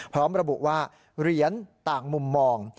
พร้อมระบุว่าเหรียญต่างมุมมอง